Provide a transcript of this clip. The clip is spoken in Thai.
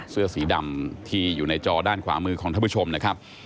เสื้อสีดำที่อยู่ในจอด้านขวามือของท่านผู้ชมนะครับ